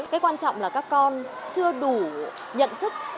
cái quan trọng là các con chưa đủ nhận thức